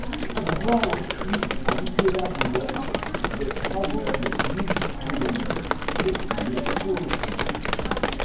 On doit aussi à Nicolas Ruwet des travaux de musicologie et de poétique.